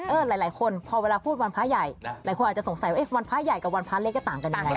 หลายคนพอเวลาพูดวันพระใหญ่หลายคนอาจจะสงสัยว่าวันพระใหญ่กับวันพระเลขก็ต่างกันยังไง